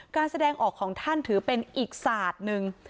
แสดงออกของท่านถือเป็นอีกศาสตร์หนึ่ง